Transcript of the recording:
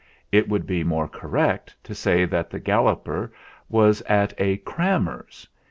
It would be more correct to say that the Galloper was at a "crammer's."